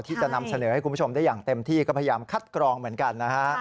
ที่จะนำเสนอให้คุณผู้ชมได้อย่างเต็มที่ก็พยายามคัดกรองเหมือนกันนะฮะ